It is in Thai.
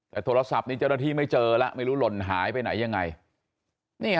แต่โทรศัพท์นี้เจ้าหน้าที่ไม่เจอแล้วไม่รู้หล่นหายไปไหนยังไง